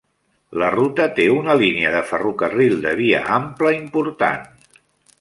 La ruta té una línia de ferrocarril de via ampla important.